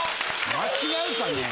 間違うかねえ。